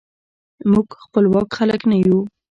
موږ خپواک خلک نه یو.